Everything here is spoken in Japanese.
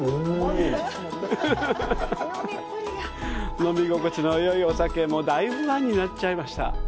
飲み心地のいいお酒、もう大ファンになっちゃいました。